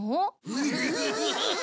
フフフフ。